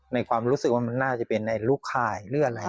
ความรู้สึกว่ามันน่าจะเป็นในลูกข่ายหรืออะไร